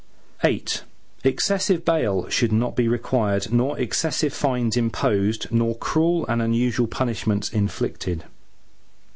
VIII Excessive bail shall not be required nor excessive fines imposed, nor cruel and unusual punishments inflicted.